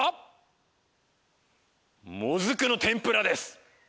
もずくのてんぷらです！